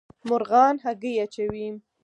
مرغان هګۍ اچوي